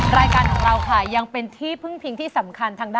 สนุนโดยอีซูซูดีแม็กซู